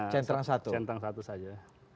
centang satu saja